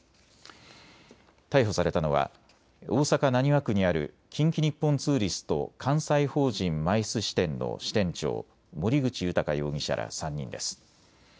逮捕されたのは大阪浪速区にある近畿日本ツーリスト関西法人ＭＩＣＥ支店の支店長、森口裕容疑者ら３人です。